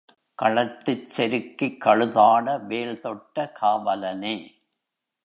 களத்திற் செருக்கிக் கழுதாட வேல்தொட்ட காவலனே!